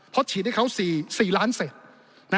เพราะฉีดให้เขา๔ล้านเศษ